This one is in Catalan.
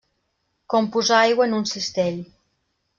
Com posar aigua en un cistell.